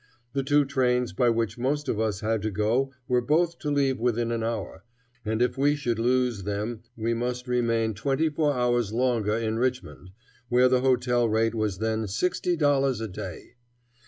The two trains by which most of us had to go were both to leave within an hour, and if we should lose them we must remain twenty four hours longer in Richmond, where the hotel rate was then sixty dollars a day.